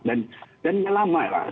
dan yang lama ya